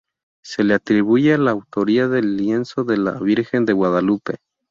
Se le atribuye la autoría del lienzo de la Virgen de Guadalupe.